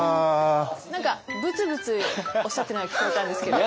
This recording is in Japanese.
何かブツブツおっしゃってたのが聞こえたんですけど。